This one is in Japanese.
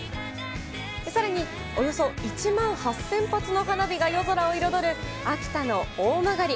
さらにおよそ１万８０００発の花火が夜空を彩る秋田の大曲。